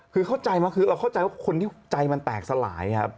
คือเข้าใจว่าคนที่ใจมันแตกสลายครับ